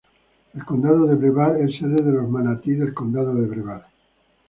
El condado de Brevard es sede de los Manatí del Condado de Brevard.